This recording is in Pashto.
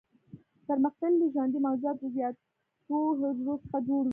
پرمختللي ژوندي موجودات د زیاتو حجرو څخه جوړ وي.